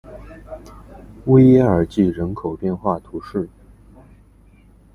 维耶尔济人口变化图示